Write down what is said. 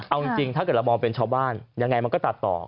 เอาจริงถ้าเกิดเรามองเป็นชาวบ้านยังไงมันก็ตัดต่อ